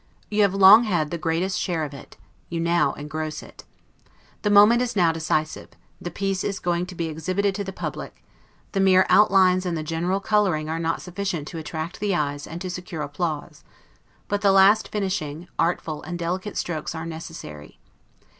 You have long had the greatest share of it; you now engross it. The moment is now decisive; the piece is going to be exhibited to the public; the mere out lines and the general coloring are not sufficient to attract the eyes and to secure applause; but the last finishing, artful, and delicate strokes are necessary.